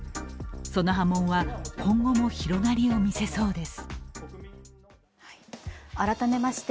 その波紋は今後も広がりを見せそうです。